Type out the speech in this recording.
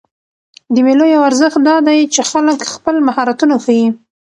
د مېلو یو ارزښت دا دئ، چې خلک خپل مهارتونه ښيي.